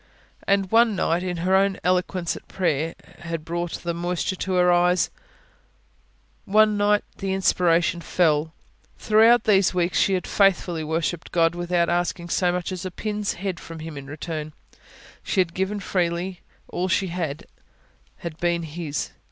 And one night, when her own eloquence at prayer had brought the moisture to her eyes one night the inspiration fell. Throughout these weeks, she had faithfully worshipped God without asking so much as a pin's head from Him in return; she had given freely; all she had, had been His.